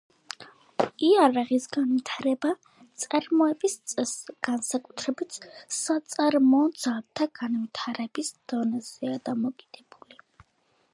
იარაღის განვითარება წარმოების წესზე, განსაკუთრებით საწარმოო ძალთა განვითარების დონეზეა დამოკიდებული.